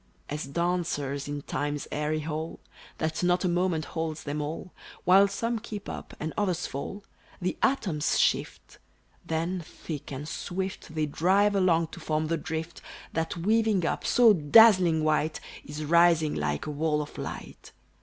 As dancers in time's airy hall, That not a moment holds them all, While some keep up, and others fall, The atoms shift; then, thick and swift, They drive along to form the drift, That weaving up, so dazzling white, Is rising like a wall of light.